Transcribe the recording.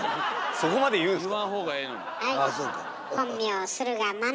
そこまで言うんすか？